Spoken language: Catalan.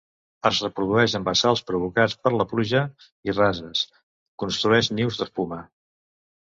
Es reprodueix en bassals provocats per la pluja i rases; construeix nius d'espuma.